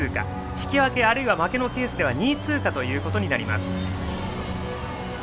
引き分けあるいは負けのケースでは２位通過となります。